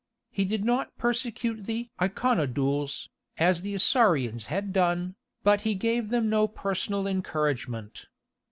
He did not persecute the "Iconodules," as the Isaurians had done, but he gave them no personal encouragement.